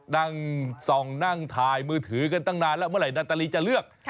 นั่งส่องนั่งถ่ายมือถือกันตั้งนานแล้วเมื่อไหนาตาลีจะเลือก